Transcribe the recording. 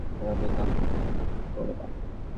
এভাবে কাকুতি-মিনতি করো না।